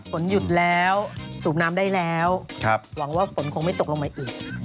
ฝนหยุดแล้วสูบน้ำได้แล้วหวังว่าฝนคงไม่ตกลงมาอีก